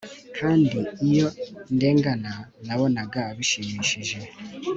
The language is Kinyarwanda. kandi iyo ndengana, nabonaga bishimishije